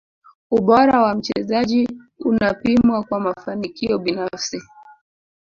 ubora wa mchezaji unapimwa kwa mafanikio binafsi